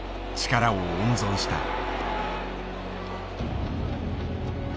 力を温存した。